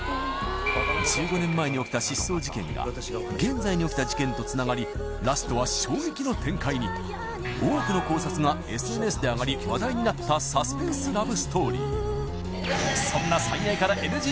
１５年前に起きた失踪事件が現在に起きた事件とつながりラストは衝撃の展開にになったサスペンスラブストーリーそんな